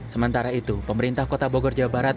sementara itu pemerintah kota bogor jawa barat